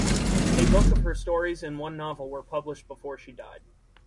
A book of her stories and one novel were published before she died.